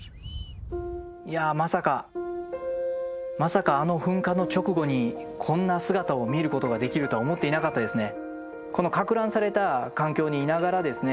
いやまさかまさかあの噴火の直後にこんな姿を見ることができるとは思っていなかったですね。